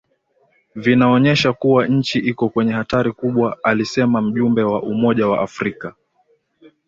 vinaonyesha kuwa nchi iko kwenye hatari kubwa alisema mjumbe wa Umoja wa Afrika